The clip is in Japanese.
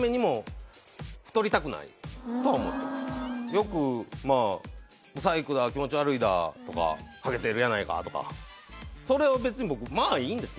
よく不細工だ気持ち悪いだとかハゲてるやないかとかそれは別に僕まあいいんです